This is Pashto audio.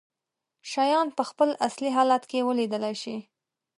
شيان په خپل اصلي حالت کې ولیدلی شي.